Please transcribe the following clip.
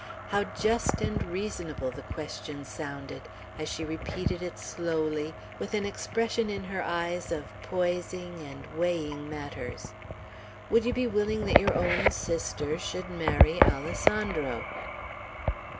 How just and reasonable the question sounded, as she repeated it slowly, with an expression in her eyes, of poising and weighing matters. "Would you be willing that your own sister should marry Alessandro?"